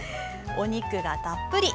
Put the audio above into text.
お肉がたっぷり。